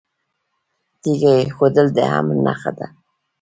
تیږه ایښودل د امن نښه ده